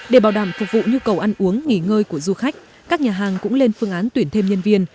để bảo đảm phục vụ nhu cầu ăn uống nghỉ ngơi của du khách các nhà hàng cũng lên phương án tuyển thêm nhân viên